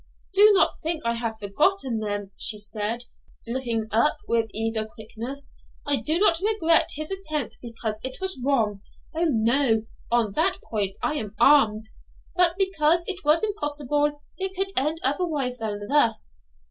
'Do not think I have forgotten them,' she said, looking up with eager quickness; 'I do not regret his attempt because it was wrong! O no! on that point I am armed but because it was impossible it could end otherwise than thus.'